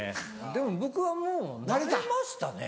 でも僕はもう慣れましたね。